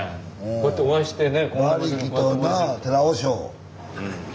こうやってお会いしてね。